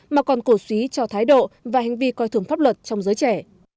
mà còn cổ suý cho thái độ và hành vi coi thường pháp luật trong giới trẻ